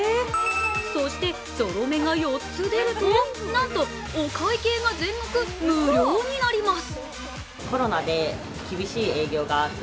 そしてゾロ目が４つ出ると、なんとお会計が全額無料になります。